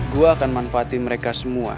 gue akan manfaati mereka semua